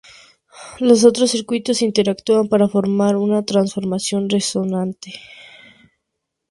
Los dos circuitos interactúan para formar un transformador resonante.